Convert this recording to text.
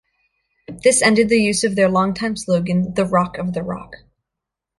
This ended the use of their longtime slogan "The Rock of the Rock".